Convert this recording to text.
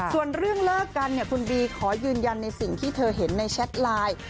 ส่วนเรื่องเลิกกันเนี่ยคุณบีขอยืนยันในสิ่งที่เธอเห็นในแชทไลน์